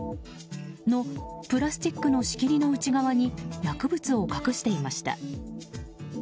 の、プラスチックの仕切りの裏側に薬物を隠していました。